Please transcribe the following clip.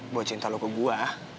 buat cinta lu ke gua